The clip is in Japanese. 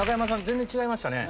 全然違いましたね。